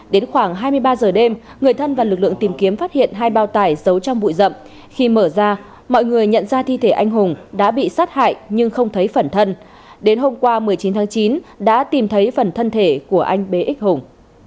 đến khoảng hai mươi ba giờ đêm người thân và lực lượng tìm kiếm phát hiện hai bao tải giấu trong bụi rậm khi mở ra mọi người nhận ra thi thể anh hùng đã bị sát hại nhưng không thấy phần thân đến hôm qua một mươi chín tháng chín đã tìm thấy phần thân thể của anh bế ích hùng